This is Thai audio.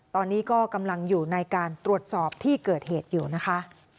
ตอนนี้ก็กำลังอยู่ในการตรวจสอบที่เกิดเหตุอยู่นะคะ